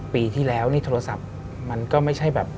ปีที่แล้วนี่โทรศัพท์มันก็ไม่ใช่แบบ